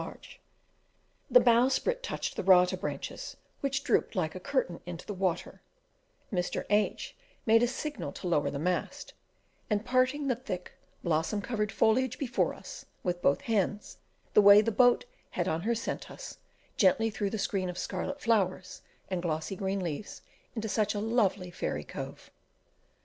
When the bowsprit touched the rata branches, which drooped like a curtain into the water, Mr. H made a signal to lower the mast, and parting the thick, blossom covered foliage before us, with both hands, the way the boat had on her sent us gently through the screen of scarlet flowers and glossy green leaves into such a lovely fairy cove!